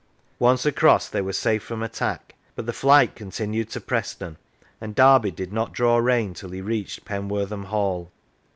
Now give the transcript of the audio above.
Once across, they were safe from attack, but the flight continued to Preston, and Derby did not draw rein till he reached Penwortham Hall."